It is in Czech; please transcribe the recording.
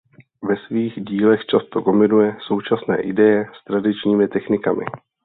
Ve svých dílech často kombinuje současné ideje s tradičními technikami.